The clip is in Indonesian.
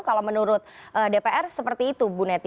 kalau menurut dpr seperti itu bu neti